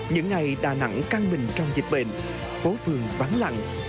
những ngày đà nẵng căng mình trong dịch bệnh phố phường vắng lặng